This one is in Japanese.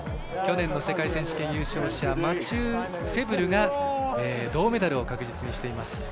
去年の世界選手権優勝者マチュー・フェブルが銅メダルを確実にしています。